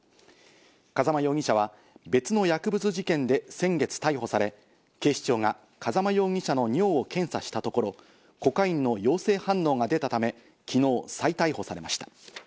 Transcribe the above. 風間容疑者は別の薬物事件で先月逮捕され、警視庁が風間容疑者の尿を検査したところ、コカインの陽性反応が出たため、きのう再逮捕されました。